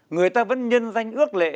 người ta vẫn nhân danh ước lệ